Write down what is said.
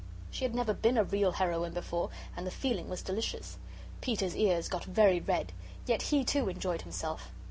She had never been a real heroine before, and the feeling was delicious. Peter's ears got very red. Yet he, too, enjoyed himself.